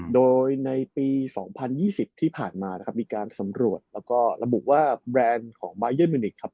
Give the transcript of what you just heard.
โดยในปี๒๐๒๐ที่ผ่านมานะครับมีการสำรวจแล้วก็ระบุว่าแบรนด์ของบายันมิวนิกครับ